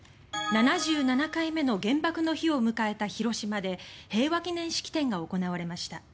７７回目の原爆の日を迎えた広島で平和記念式典が行われました。